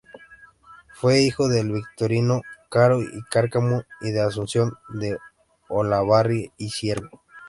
Fue hijo de Victorino Caro y Cárcamo y de Asunción de Olavarría y Sierpe.